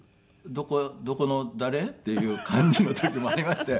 どこの誰？っていう感じの時もありまして。